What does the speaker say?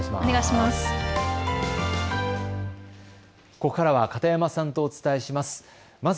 ここからは片山さんとお伝えします。